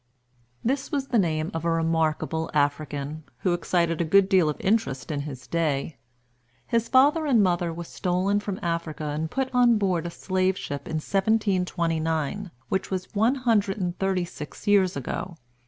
This was the name of a remarkable African, who excited a good deal of interest in his day. His father and mother were stolen from Africa and put on board a slave ship in 1729, which was one hundred and thirty six years ago.